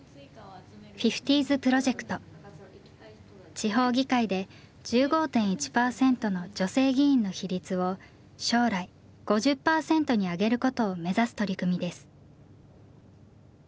地方議会で１５．１％の女性議員の比率を将来５０％に上げることを目指す取り組みです。